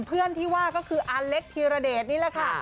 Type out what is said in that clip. เพื่อนที่ว่าก็คืออาเล็กธีรเดชนี่แหละค่ะ